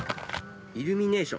イルミネーション。